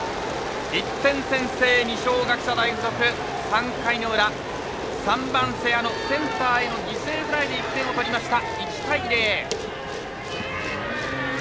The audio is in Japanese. １点先制、二松学舎大付属３回の裏３番、瀬谷のセンターへの犠牲フライで１点を取りました。